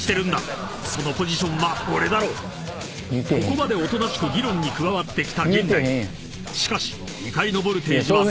［ここまでおとなしく議論に加わってきた陣内］